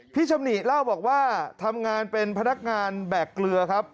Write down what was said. ชำนิเล่าบอกว่าทำงานเป็นพนักงานแบกเกลือครับ